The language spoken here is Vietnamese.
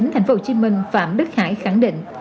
tp hcm phạm đức hải khẳng định